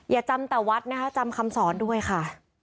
อย่าจำแต่วัดนะคะจำคำสอนด้วยค่ะ